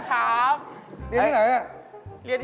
ครับเรียนที่ไหนน่ะสวัสดีครับ